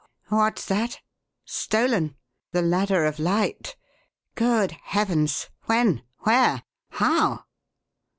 "What's that? Stolen? The Ladder of Light? Good heavens! When? Where? How?"